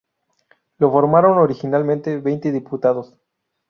Lo formaron originalmente veinte diputados.